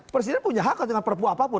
presiden punya hak dengan perpu apapun